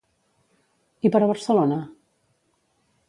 I per a Barcelona?